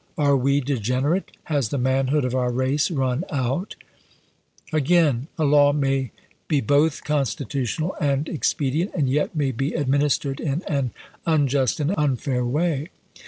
Are we degenerate? Has the manhood of our race run out ?" Again, a law may be both constitutional and expedient, and yet may be administered in an un just and unfair way.